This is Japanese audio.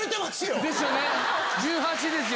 １８ですよ。